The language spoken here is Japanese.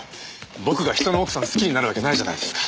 僕が人の奥さんを好きになるわけないじゃないですか。